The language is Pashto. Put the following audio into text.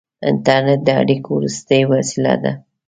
• انټرنېټ د اړیکو وروستۍ وسیله ده.